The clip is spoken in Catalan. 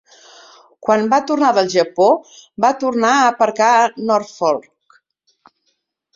Quan va tornar del Japó, va tornar a aparcar a Norfolk.